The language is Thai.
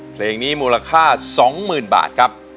เพลงนี้มูลค่า๒๐๐๐บาทครับ